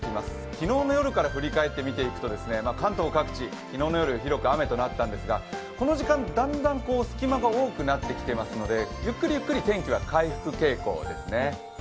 昨日の夜から振り返って見ていくと、関東各地、昨日の夜、広く雨となったんですがこの時間、だんだん隙間が多くなってきていますので、ゆっくりゆっくり、天気は回復傾向ですね。